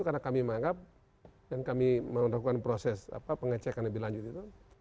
karena kami menganggap dan kami melakukan proses pengecekan lebih lanjut itu